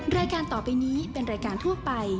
รายการต่อไปนี้เป็นรายการทั่วไป